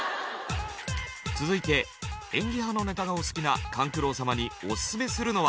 続いて演技派のネタがお好きな勘九郎様にオススメするのは。